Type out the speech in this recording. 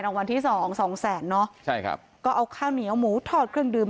รางวัลที่สองสองแสนเนอะใช่ครับก็เอาข้าวเหนียวหมูทอดเครื่องดื่ม